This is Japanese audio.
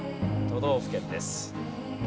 都道府県です。